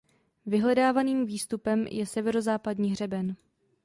Vyhledávaným výstupem je severozápadní hřeben.